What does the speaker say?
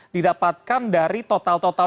didapatkan dari total total